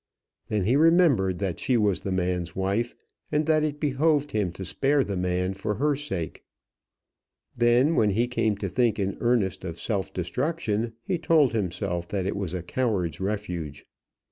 Then he remembered that she was the man's wife, and that it behoved him to spare the man for her sake. Then, when he came to think in earnest of self destruction, he told himself that it was a coward's refuge.